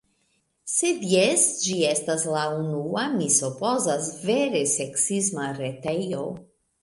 Sed jes, ĝi estas la unua, mi supozas, vere seksisma retejo.